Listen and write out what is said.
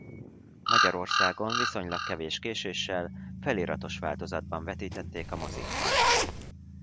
Magyarországon viszonylag kevés késéssel feliratos változatban vetítették a mozikban.